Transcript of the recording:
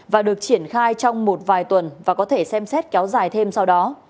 và được triển khai trong một vài tuần và có thể xem xét kéo dài thêm sau đó